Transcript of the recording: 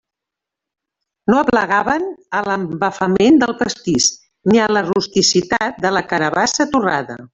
No aplegaven a l'embafament del pastís, ni a la rusticitat de la carabassa torrada.